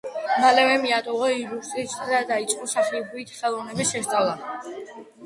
მალევე მიატოვა იურისპრუდენცია და დაიწყო სახვითი ხელოვნების შესწავლა.